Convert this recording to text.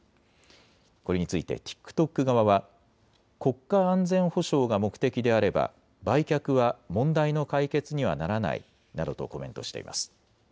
これについてＴｉｋＴｏｋ側は国家安全保障が目的であれば売却は問題の解決にはならないなどとコメントしています。